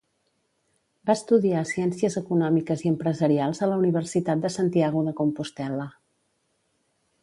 Va estudiar ciències econòmiques i empresarials a la Universitat de Santiago de Compostel·la.